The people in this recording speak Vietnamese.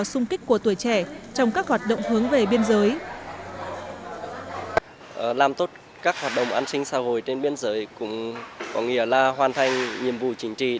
sung kích của tuổi trẻ trong các hoạt động hướng về biên giới